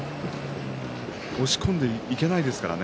押し込んでいけませんからね。